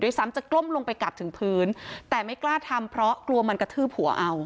ซ้ำจะกล้มลงไปกลับถึงพื้นแต่ไม่กล้าทำเพราะกลัวมันกระทืบหัวเอา